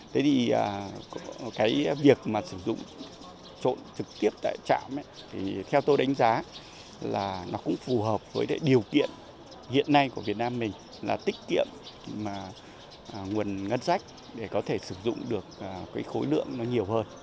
thế thì cái việc mà sử dụng trộn trực tiếp tại trạm thì theo tôi đánh giá là nó cũng phù hợp với điều kiện hiện nay của việt nam mình là tích kiệm nguồn ngân sách để có thể sử dụng được cái khối lượng nó nhiều hơn